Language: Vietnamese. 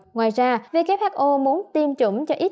ngoài ra who muốn tiêm chủng trước tiên